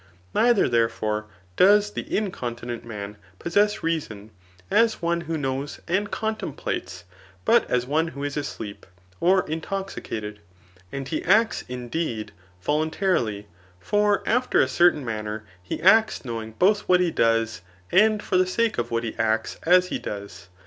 Neither, therefore, does the incon tinent man [possess reason] as one who knows and con templates, but ais one who is asleep, or intoxicated. And he acts, indeed, voluntarily ; for after a certain manner he acts knowing both what he does, and for the sake of what he acts as he does.